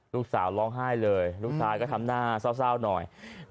ร้องไห้เลยลูกชายก็ทำหน้าเศร้าหน่อย